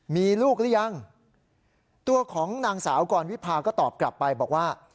มีลูกหรือยังตัวของนางสาวกรวิพาก็ตอบกลับไปบอกว่า